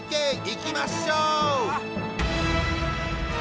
いきましょう。